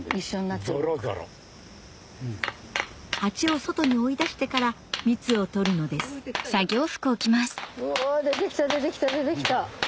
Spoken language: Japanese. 蜂を外に追い出してから蜜を採るのですお出てきた出てきた。